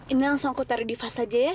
ini langsung aku taruh di vas aja ya